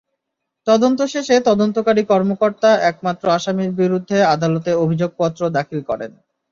তদন্ত শেষে তদন্তকারী কর্মকর্তা একমাত্র আসামির বিরুদ্ধে আদালতে অভিযোগপত্র দাখিল করেন।